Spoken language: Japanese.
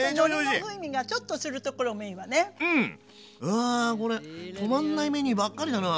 わこれ止まんないメニューばっかりだな！